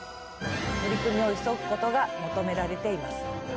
取り組みを急ぐことが求められています。